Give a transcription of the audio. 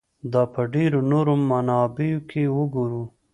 دا په ډېرو نورو منابعو کې وګورو.